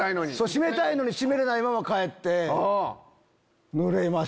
閉めたいのに閉めれないまま帰って。